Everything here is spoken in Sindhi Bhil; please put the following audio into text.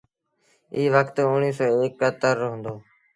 ايٚ وکت اُڻيه سو ايڪ اَتر رو هُݩدو۔